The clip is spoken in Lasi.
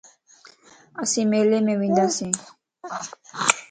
اسين ميليءَ مَ ونداسين